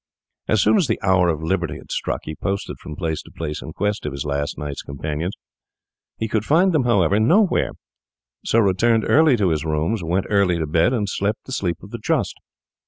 As soon as the hour of liberty had struck he posted from place to place in quest of his last night's companions. He could find them, however, nowhere; so returned early to his rooms, went early to bed, and slept the sleep of the just.